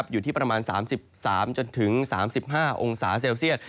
อยู่ที่ประมาณ๓๓๕องศาเซลเซียต